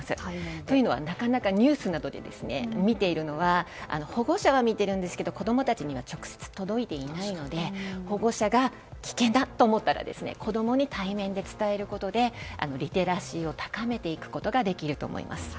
というのはニュースなどで見ているのは保護者は見てるんですけど子供たちには直接届いていないので保護者が危険だと思ったら子供に対面で伝えることでリテラシーを高めていくことができると思います。